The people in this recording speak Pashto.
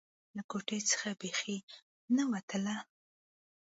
له کوټې څخه بيخي نه وتله.